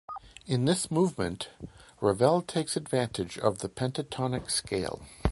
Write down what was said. In this movement, Ravel takes advantage of the pentatonic scale.